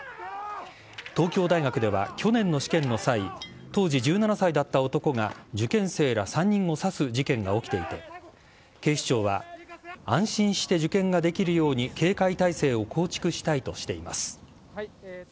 東京大学では去年の試験の際、当時１７歳だった男が、受験生ら３人を刺す事件が起きていて、警視庁は安心して受験ができるように警戒態勢を構築したいとしています。